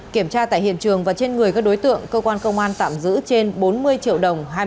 kiểm tra tại hiện trường và trên người các đối tượng cơ quan công an tạm giữ trên bốn mươi triệu đồng